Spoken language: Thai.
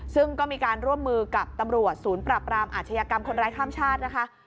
ซึ่งก็มีการร่วมมือกับตำรวจศูนย์ปรับรามอาชญากรรมคนร้ายข้ามชาตินะคะ